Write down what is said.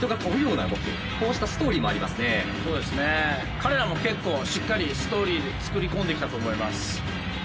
彼らも結構しっかりストーリー作り込んできたと思います。